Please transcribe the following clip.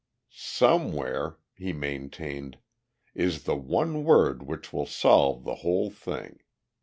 "Somewhere," he maintained, "is the one word which will solve the whole thing.